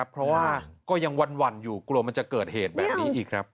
เพราะว่าก็ยังหวั่นอยู่กลัวมันจะเกิดเหตุแบบนี้อีกครับ